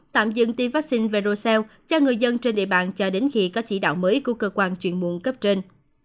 tạm dừng tiêm vaccine verocel cho người dân trên địa bàn chờ đến khi có chỉ đạo mới của cơ quan chuyên môn cấp trên